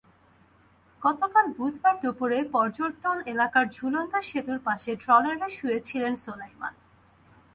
গতকাল বুধবার দুপুরে পর্যটন এলাকার ঝুলন্ত সেতুর পাশে ট্রলারে শুয়ে ছিলেন সোলাইমান।